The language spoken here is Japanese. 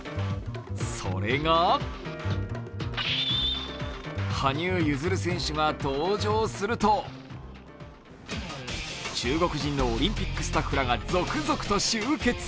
それが羽生結弦選手が登場すると中国人のオリンピックスタッフらが続々と集結。